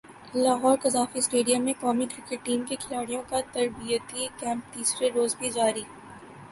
Lahore Gaddafi stadium میں قومی cricket team کے کھلاڑیوں کا تربیتی کیمپ تیسرے روز بھی جاری